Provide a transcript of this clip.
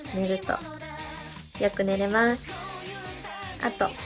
あと。